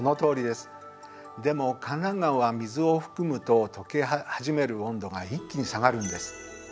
でもかんらん岩は水を含むととけはじめる温度が一気に下がるんです。